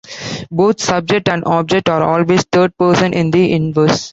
Both subject and object are always third-person in the inverse.